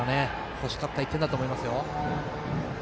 欲しかった１点だと思います。